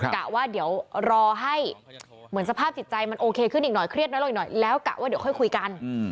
กะว่าเดี๋ยวรอให้เหมือนสภาพจิตใจมันโอเคขึ้นอีกหน่อยเครียดน้อยลงอีกหน่อยแล้วกะว่าเดี๋ยวค่อยคุยกัน